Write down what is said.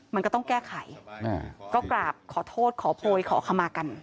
มันก็ต้องแก้ไขก็กราบขอโทษขอโพยขอขมากัน